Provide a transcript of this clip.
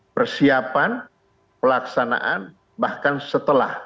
persiapan pelaksanaan bahkan setelah